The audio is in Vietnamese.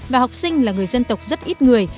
và học sinh là người dân tộc rất ít người